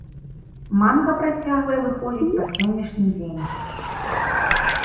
Манга працягвае выходзіць па сённяшні дзень.